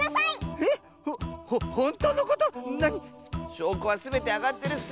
しょうこはすべてあがってるッス！